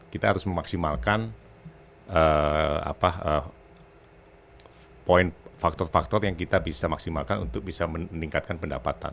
kita harus memaksimalkan faktor faktor yang kita bisa maksimalkan untuk bisa meningkatkan pendapatan